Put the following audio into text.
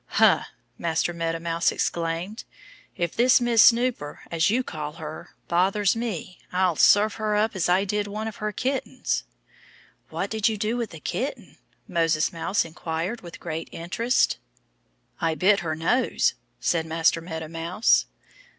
"Huh!" Master Meadow Mouse exclaimed. "If this Miss Snooper as you call her bothers me, I'll serve her as I did one of her kittens." "What did you do to the kitten?" Moses Mouse inquired with great interest. "I bit her nose," said Master Meadow Mouse.